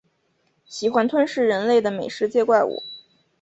喜欢吞噬人类的美食界怪物。